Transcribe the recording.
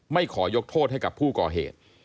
ไม่ขอยกโทษให้กับผู้ก่อเหตุ